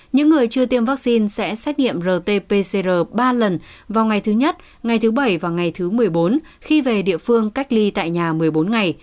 những người chưa tiêm vaccine sẽ xét nghiệm rt pcr ba lần vào ngày thứ nhất ngày thứ bảy và ngày thứ một mươi bốn khi về địa phương cách ly tại nhà một mươi bốn ngày